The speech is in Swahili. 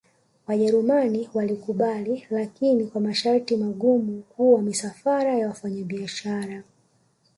wajerumani walikubali lakini kwa masharti magumu kuwa misafara ya wafanya biashara